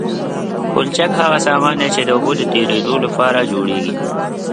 پلچک هغه ساختمان دی چې د اوبو د تیرېدو لپاره جوړیږي